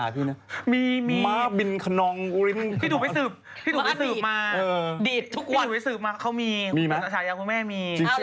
ที่ดูไปสืบเขามีฯชายาคุณแม่มี